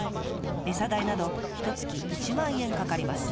えさ代などひとつき１万円かかります。